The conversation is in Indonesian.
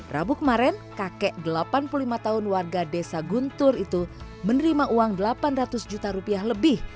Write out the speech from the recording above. rabu kemarin kakek delapan puluh lima tahun warga desa guntur itu menerima uang delapan ratus juta rupiah lebih